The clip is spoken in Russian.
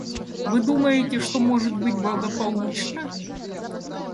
Вы думаете, что может быть благополучно?